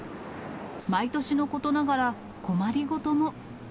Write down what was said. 毎年のことながら、困りごとも。